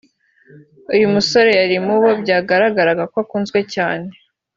uyu musore yari mubo byagaragara ko akunzwe cyane